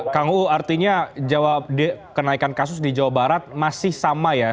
kang uu artinya kenaikan kasus di jawa barat masih sama ya